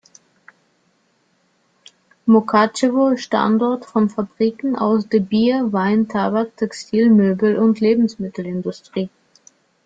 Mukatschewo ist Standort von Fabriken aus der Bier-, Wein-, Tabak-, Textil-, Möbel- und Lebensmittelindustrie.